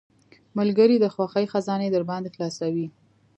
ملګری د خوښۍ خزانې درباندې خلاصوي.